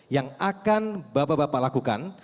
yang akan bapak bapak lakukan